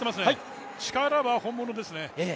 力は本物ですね。